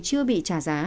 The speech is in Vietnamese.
chưa bị trả giá